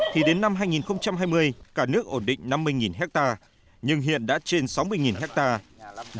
thì đến năm hai nghìn hai mươi cả nước ổn định năm mươi hectare nhưng hiện đã trên sáu mươi hectare